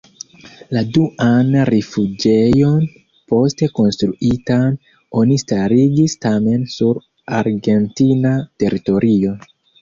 La duan rifuĝejon, poste konstruitan, oni starigis tamen sur argentina teritorio.